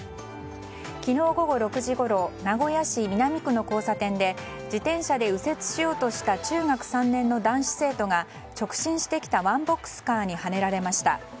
昨日午後６時ごろ名古屋市南区の交差点で自転車で右折しようとした中学３年の男子生徒が直進してきたワンボックスカーにはねられました。